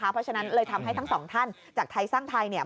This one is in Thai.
เพราะฉะนั้นเลยทำให้ทั้งสองท่านจากไทยสร้างไทยเนี่ย